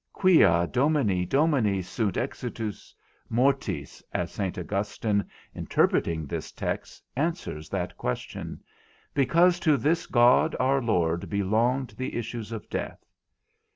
Quia Domini Domini sunt exitus mortis (as Saint Augustine, interpreting this text, answers that question), because to this _God our Lord belonged the issues of death.